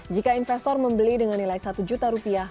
jika investor membeli dengan nilai satu juta rupiah